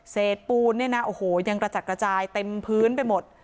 ปูนเนี่ยนะโอ้โหยังกระจัดกระจายเต็มพื้นไปหมด